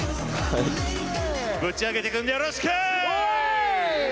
ぶっちゃけていくんでよろしく。